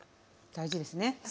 大事ですね。